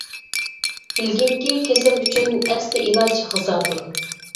بىلگىنكى، كېسەل ئۈچۈن ئەسلىي ئىلاج غىزادۇر.